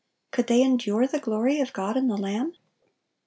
Could they endure the glory of God and the Lamb?